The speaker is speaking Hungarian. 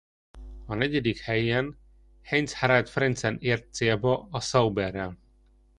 A negyedik helyen Heinz-Harald Frentzen ért célba a Sauberrel.